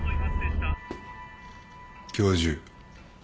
教授。